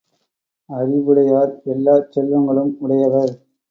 அறிவுடையார் எல்லாச் செல்வங்களும் உடையவர்.